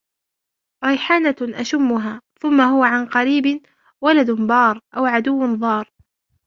رَيْحَانَةٌ أَشُمُّهَا ثُمَّ هُوَ عَنْ قَرِيبٍ وَلَدٌ بَارٌّ أَوْ عَدُوٌّ ضَارٌّ